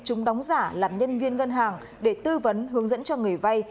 chúng đóng giả làm nhân viên ngân hàng để tư vấn hướng dẫn cho người vay